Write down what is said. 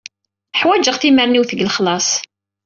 Ḥwajeɣ timerniwt deg lexlaṣ.